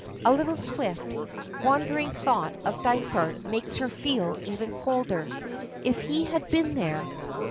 A little swift, wandering thought of Dysart makes her feel even colder. If he had been there!